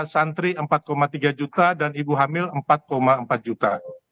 santri empat tiga juta dan ibu hamil empat empat juta